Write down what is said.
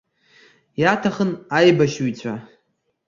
Иаҭахын аибашьыҩцәа.